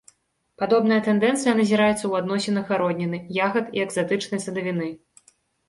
Падобная тэндэнцыя назіраецца ў адносінах гародніны, ягад і экзатычнай садавіны.